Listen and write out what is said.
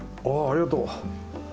あありがとう。